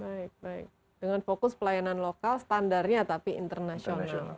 baik baik dengan fokus pelayanan lokal standarnya tapi internasional